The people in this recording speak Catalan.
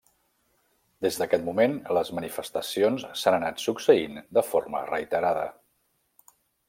Des d'aquest moment les manifestacions s'han anat succeint de forma reiterada.